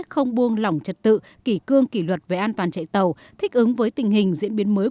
không buông lỏng trật tự kỷ cương kỷ luật về an toàn chạy tàu thích ứng với tình hình diễn biến mới